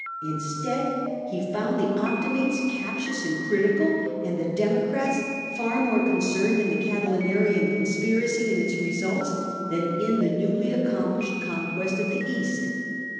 Instead, he found the Optimates captious and critical, and the Democrats far more concerned in the Catilinarian conspiracy and its results than in the newly accomplished conquest of the East.